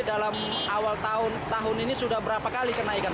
dalam awal tahun tahun ini sudah berapa kali kenaikan